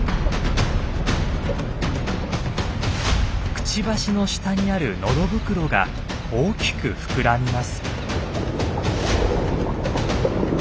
くちばしの下にある喉袋が大きく膨らみます。